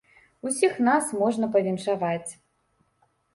Усіх нас можна павіншаваць.